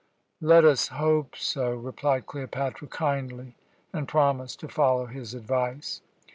"Let us hope so." replied Cleopatra kindly, and promised to follow his advice.